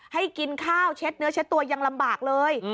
ให้กินข้าวเช็ดเนื้อเช็ดตัวยังลำบากเลย